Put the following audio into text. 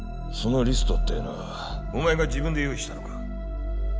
そのリストってのはお前が自分で用意したのか？